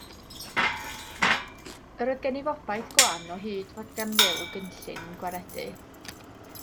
Yr oedd gennyf obaith gwan o hyd fod gan Wil gynllun i'n gwaredu.